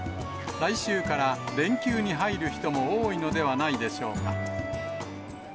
来週から連休に入る人も多いのではないでしょうか。